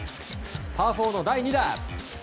パー４の第２打。